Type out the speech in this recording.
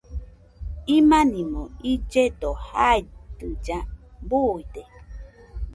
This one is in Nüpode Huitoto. Imanimo illledo jaidɨlla, buide